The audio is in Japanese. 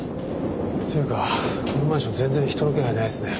っていうかこのマンション全然人の気配ないですね。